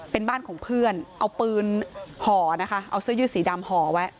เป็นบ้านของเพื่อนเอาปืนห่อนะคะเอาเสื้อยืดสีดำห่อไว้